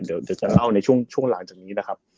เดี๋ยวจะเล่าในช่วงหลังจากนี้นะครับ